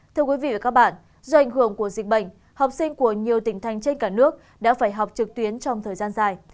thưa quý vị và các bạn do ảnh hưởng của dịch bệnh học sinh của nhiều tỉnh thành trên cả nước đã phải học trực tuyến trong thời gian dài